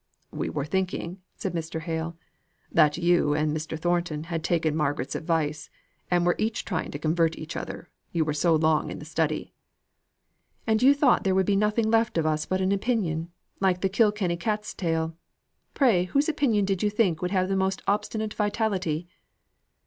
"We were thinking," said Mr. Hale, "that you and Mr. Thornton had taken Margaret's advice, and were each trying to convert the other, you were so long in the study." "And you thought there would be nothing left of us but an opinion, like the Kilkenny cat's tail. Pray whose opinion did you think would have the most obstinate vitality?"